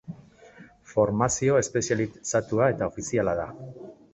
Formazio espezializatua eta ofiziala da.